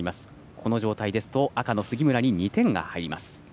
この状態ですと赤の杉村に２点が入ります。